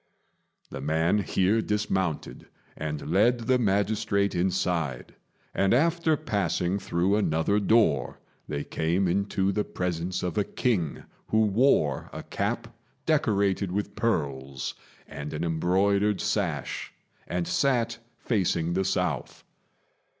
The man here dismounted and led the magistrate inside; and after passing through another door they came into the presence of a king, who wore a cap decorated with pearls, and an embroidered sash, and sat facing the south.